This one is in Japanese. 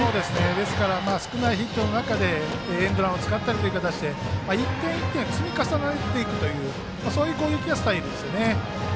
ですから少ないヒットの中でエンドランを使ったりして１点１点、積み重ねていく攻撃のスタイルですよね。